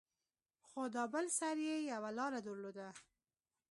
خو دا بل سر يې يوه لاره درلوده.